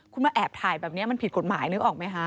คุณมาแอบถ่ายแบบนี้มันผิดกฎหมายนึกออกไหมคะ